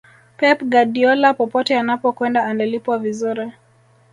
pep guardiola popote anapokwenda analipwa vizuri